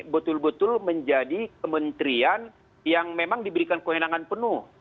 betul betul menjadi kementerian yang memang diberikan kewenangan penuh